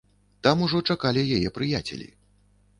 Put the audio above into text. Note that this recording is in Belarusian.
Там ужо чакалі яе прыяцелі.